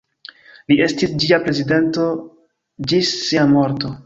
Li estis ĝia prezidanto ĝis sia morto.